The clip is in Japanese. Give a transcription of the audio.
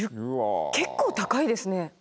１０結構高いですね。